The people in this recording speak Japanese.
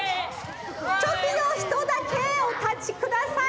チョキのひとだけおたちください！